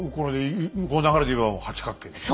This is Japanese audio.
この流れでいえば八角形ですね。